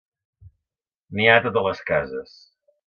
N'hi ha a totes les cases.